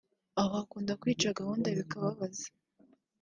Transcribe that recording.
aho akunda kwica gahunda bikababaza